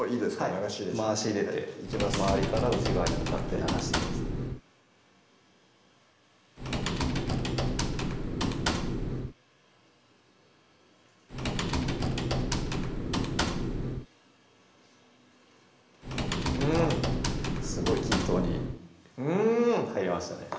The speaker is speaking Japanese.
流し入れて回し入れて周りから内側に向かって流してくださいうんすごい均等に入りましたね